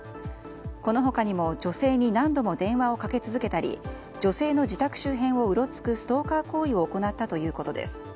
この他にも女性に何度も電話をかけ続けたり女性の自宅周辺をうろつくストーカー行為を行ったということです。